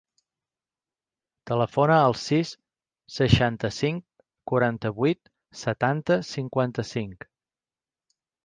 Telefona al sis, seixanta-cinc, quaranta-vuit, setanta, cinquanta-cinc.